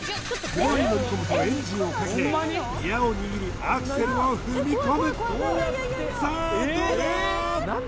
車に乗り込むとエンジンをかけギアを握りアクセルを踏み込むさあどうだー？